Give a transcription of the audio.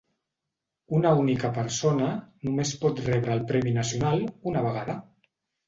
Una única persona només pot rebre el Premi Nacional una vegada.